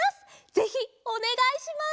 ぜひおねがいします！